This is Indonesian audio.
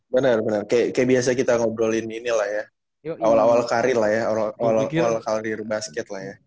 benar benar kayak biasa kita ngobrolin ini lah ya awal awal karir lah ya awal awal di basket lah ya